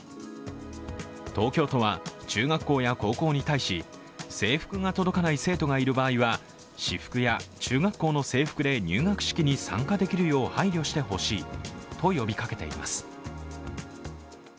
東京都は中学校や高校に対し制服が届かない生徒がいる場合は、私服や中学校の制服で入学式に参加できるよう配慮してほしいと呼びかけています。